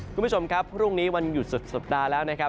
คุณผู้ชมครับพรุ่งนี้วันหยุดสุดสัปดาห์แล้วนะครับ